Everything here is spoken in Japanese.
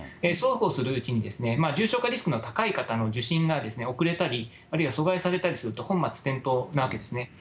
そうこうするうちに、重症化リスクが高い方の受診が遅れたり、あるいは阻害されたりすると本末転倒なわけですね。